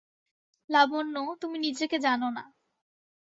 লাবণ্য, তুমি নিজেকে জান না।